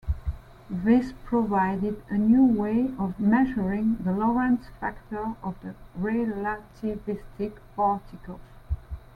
This provided a new way of measuring the Lorentz factor of the relativistic particles.